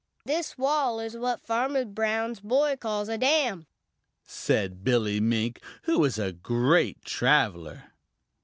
"This wall is what Farmer Brown's boy calls a dam," said Billy Mink, who is a great traveler.